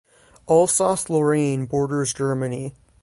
Alsace-Lorraine borders Germany.